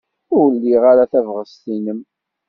Ur liɣ ara tabɣest-nnem.